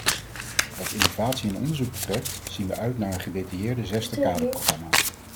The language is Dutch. Wat innovatie en onderzoek betreft, zien we uit naar een gedetailleerd zesde kaderprogramma.